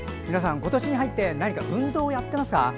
皆さん、今年に入って何か運動やっていますか？